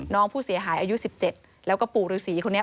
น้องผู้เสียหายอายุ๑๗แล้วก็ปู่ฤษีคนนี้